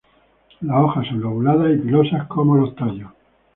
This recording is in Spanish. Las hojas son lobuladas y pilosas como los tallos.